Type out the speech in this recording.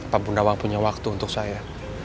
pak ibu nawang punya waktu untuk saya